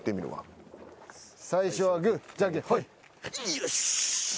よし！